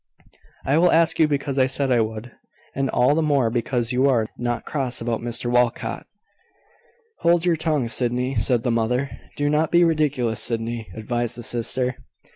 "I will ask you because I said I would and all the more because you are not cross about Mr Walcot " "Hold your tongue, Sydney!" said the mother. "Do not be ridiculous, Sydney," advised the sister.